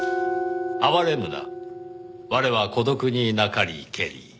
「哀れむな我は孤独になかりけり